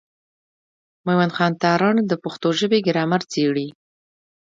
مېوند خان تارڼ د پښتو ژبي ګرامر څېړي.